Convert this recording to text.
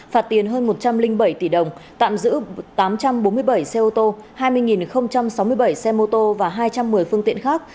phạt tiền hơn một trăm linh bảy tỷ đồng tạm giữ tám trăm bốn mươi bảy xe ô tô hai mươi sáu mươi bảy xe mô tô và hai trăm một mươi phương tiện khác